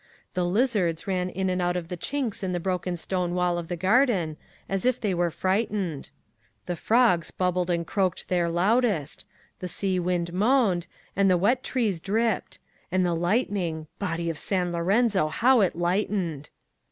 The lizards ran in and out of the chinks in the broken stone wall of the garden, as if they were frightened; the frogs bubbled and croaked their loudest; the sea wind moaned, and the wet trees dripped; and the lightning—body of San Lorenzo, how it lightened!